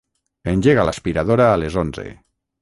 Engega l'aspiradora a les onze.